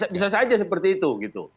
bisa saja seperti itu